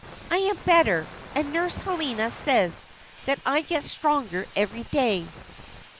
"I am better, and Nurse Helena says that I get stronger every day."